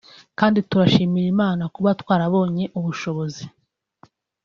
kandi turabishimira Imana kuba twarabonye ubushobozi